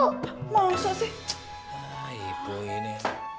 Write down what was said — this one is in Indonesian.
hai mau ngasih hai ini